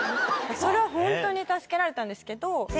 それはホントに助けられたんですけど。